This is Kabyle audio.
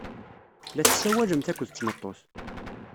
La tessawalemt akked tmeṭṭut.